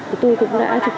để tạo điều kiện cho chồng